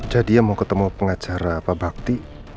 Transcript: jadi mau ketemu pengacara pak bakti